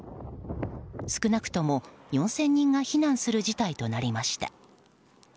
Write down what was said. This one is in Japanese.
少なくとも４０００人が避難する事態となりました。